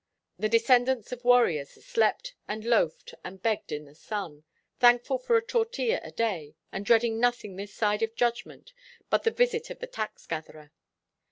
The descendants of warriors slept and loafed and begged in the sun, thankful for a tortilla a day and dreading nothing this side of Judgment but the visit of the tax gatherer.